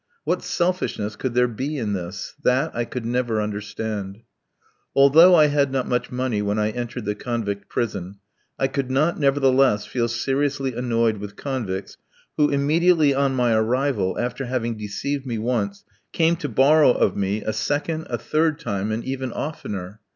What selfishness could there be in this? That I could never understand. Although I had not much money when I entered the convict prison, I could not nevertheless feel seriously annoyed with convicts who, immediately on my arrival, after having deceived me once, came to borrow of me a second, a third time, and even oftener.